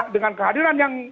dengan kehadiran yang